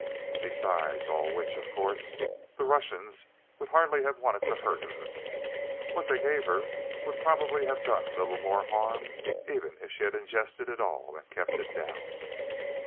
Besides all which, of course, the Russians would hardly have wanted to hurt her; what they gave her would probably have done little more harm even if she'd ingested it all, and kept it down."